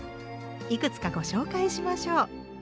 いくつかご紹介しましょう。